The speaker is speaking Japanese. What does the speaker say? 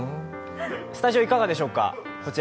スタジオいかがでしょうか。